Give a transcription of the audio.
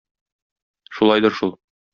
Шулайдыр шул.